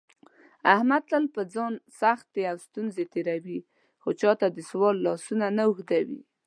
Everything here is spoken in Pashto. احمد تل په ځان سختې او ستونزې تېروي، خو چاته دسوال لاسونه نه اوږدوي.